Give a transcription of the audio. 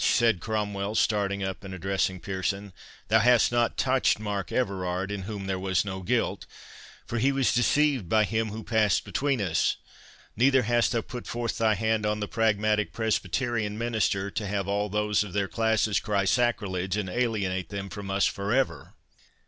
said Cromwell, starting up and addressing Pearson, "thou hast not touched Mark Everard, in whom there was no guilt, for he was deceived by him who passed between us—neither hast thou put forth thy hand on the pragmatic Presbyterian minister, to have all those of their classes cry sacrilege, and alienate them from us for ever?"